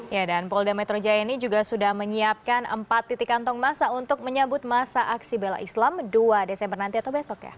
ya dan polda metro jaya ini juga sudah menyiapkan empat titik kantong masa untuk menyambut masa aksi bela islam dua desember nanti atau besok ya